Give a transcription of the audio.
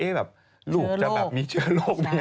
เอ๊ะแบบลูกจะแบบมีเชือโรคมีอะไรอย่างนี้